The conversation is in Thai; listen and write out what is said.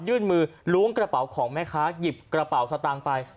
ยื่นมือล้วงกระเป๋าของแม่ค้าหยิบกระเป๋าสตางค์ไป